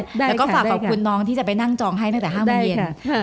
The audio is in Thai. แล้วก็ฝากขอบคุณน้องที่จะไปนั่งจองให้ตั้งแต่๕โมงเย็น